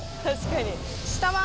確かに。